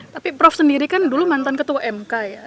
tapi prof sendiri kan dulu mantan ketua mk ya